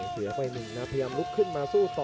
กันต่อแพทย์จินดอร์